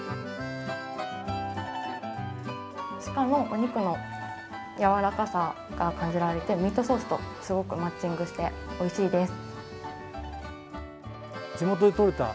鹿のお肉のやわらかさが感じられてミートソースとすごくマッチングして、おいしいです。